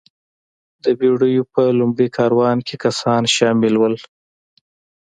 د بېړیو په لومړي کاروان کې کسان شامل وو.